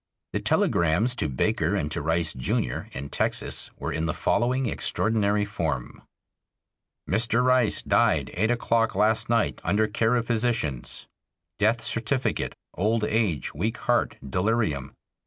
The telegrams to Baker and to Rice, Jr., in Texas, were in the following extraordinary form: Mr. Rice died eight o'clock last night under care of physicians. Death certificate, "old age, weak heart, delirium."